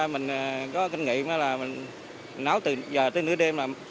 mình có kinh nghiệm là mình nấu từ giờ tới nửa đêm